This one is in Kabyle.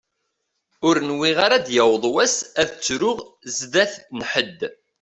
Ur nwiɣ ara ad d-yaweḍ wass ad ttruɣ sdat n ḥedd.